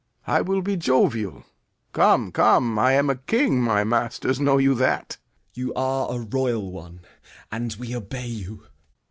I will be jovial. Come, come, I am a king; My masters, know you that? Gent. You are a royal one, and we obey you.